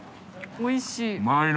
おいしい。